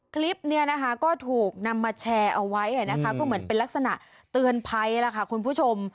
คลิปก็ถูกนำมาแชร์เอาไว้ก็เหมือนเป็นลักษณะเตือนภัยคุณผู้ชม